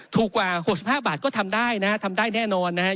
ถูกกว่า๖๕บาทก็ทำได้นะฮะทำได้แน่นอนนะฮะ